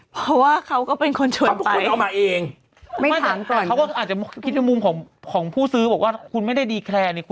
เพราะว่าเขาก็เป็นคนชวนไปเขาคือคนเอามาเอง